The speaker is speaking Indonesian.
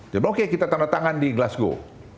dia bilang oke kita tanda tangan di glasgow